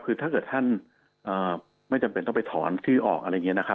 คือถ้าเกิดท่านไม่จำเป็นต้องไปถอนชื่อออกอะไรอย่างนี้นะครับ